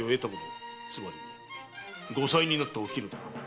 つまり後妻になったお絹だ。